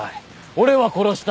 俺は殺した！